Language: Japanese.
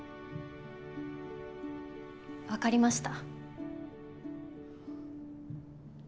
分かりました。